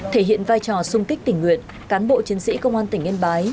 thể hiện vai trò sung kích tình nguyện cán bộ chiến sĩ công an tỉnh yên bái